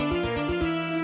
ketua beli kobra